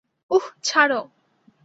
উহ, ছাড়ো।